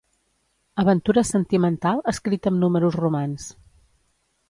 Aventura sentimental escrita amb números romans.